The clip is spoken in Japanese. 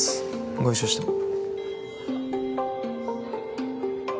ご一緒しても？